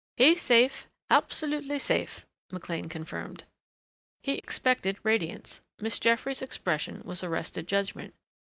"He's safe absolutely safe," McLean confirmed. He expected radiance. Miss Jeffries' expression was arrested judgment.